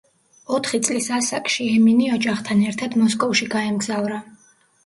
ოთხი წლის ასაკში ემინი ოჯახთან ერთად მოსკოვში გაემგზავრა.